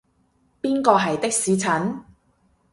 邊個係的士陳？